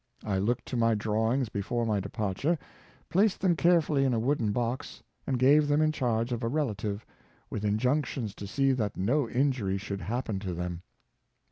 I looked to my drawings before my departure, placed them carefully in a wooden box, and gave them in charge of a relative, with injunctions to see that no injury should happen to them.